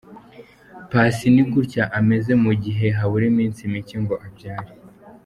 Passy ni gutya ameze mu gihe habura iminsi mike ngo abyare.